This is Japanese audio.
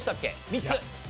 ３つ？